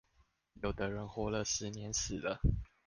有的人活了十年死了